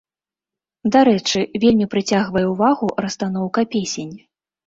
Дарэчы, вельмі прыцягвае ўвагу расстаноўка песень.